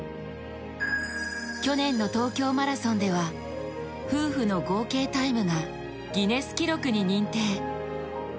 去年の東京マラソンでは夫婦の合計タイムがギネス記録に認定。